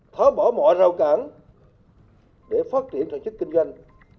thói bỏ mọi rào cản để phát triển thành chức kinh doanh